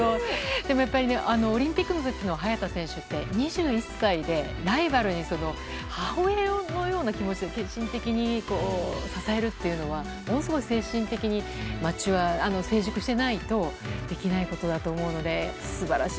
でも、オリンピックの時の早田選手って２１歳でライバルにしても母親のような気持ちで献身的に支えるというのはものすごい精神的に成熟していないとできないことだと思うので素晴らしい。